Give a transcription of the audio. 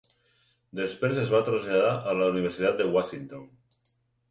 Després es va traslladar a la Universitat de Washington.